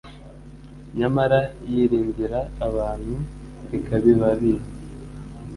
nyamara yiringira abantu ikabibabitsa,